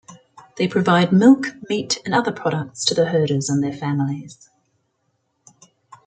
They provide milk, meat and other products to the herders and their families.